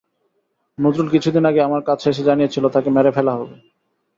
নজরুল কিছুদিন আগে আমার কাছে এসে জানিয়েছিল, তাকে মেরে ফেলা হবে।